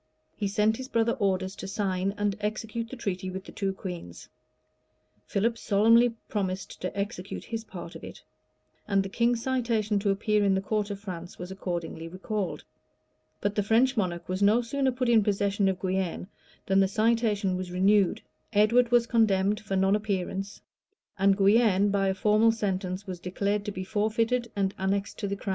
[] He sent his brother orders to sign and execute the treaty with the two queens; Philip solemnly promised to execute his part of it; and the king's citation to appear in the court of France, was accordingly recalled; but the French monarch was no sooner put in possession of Guienne, than the citation was renewed; Edward was condemned for non appearance; and Guienne, by a formal sentence, was declared to be forfeited and annexed to the crown.